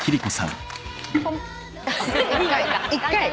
１回。